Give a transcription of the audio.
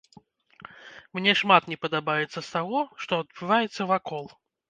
Мне шмат не падабаецца з таго, што адбываецца вакол.